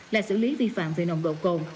là xử lý vi phạm về nồng độ cồn